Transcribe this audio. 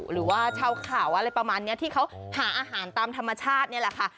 หรือว่าชาวเขาอะไรประมาณนี้ที่เขาหาอาหารตามธรรมชาตินี่แหละค่ะ